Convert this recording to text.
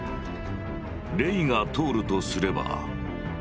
「レイが透るとすれば」。